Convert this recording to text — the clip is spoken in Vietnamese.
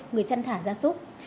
người chân thả gia súc